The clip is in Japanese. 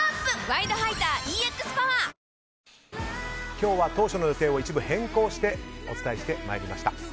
今日は当初の予定を一部変更してお伝えしてまいりました。